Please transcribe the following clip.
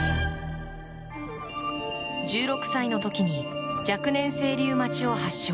１６歳の時に若年性リウマチを発症。